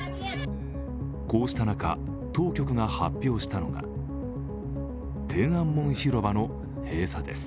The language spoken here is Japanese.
こうした中、当局が発表したのが天安門広場の閉鎖です。